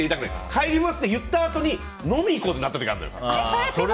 帰りますって言ったあとに飲み行こうってなる時あるのよ。